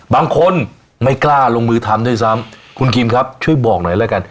บางคนไม่กล้าลงมือทำด้วยซ้ำคุณคิมครับช่วยบอกหน่อยแล้วกัน